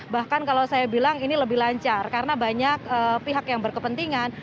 bahkan kalau saya bilang ini lebih lancar karena banyak pihak yang berkepentingan